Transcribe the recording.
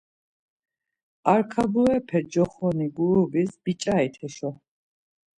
Arkaburepe coxoni gurubis biç̌arit heşo.